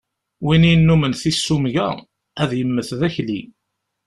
Win yennumen tissumga, ad yemmet d akli.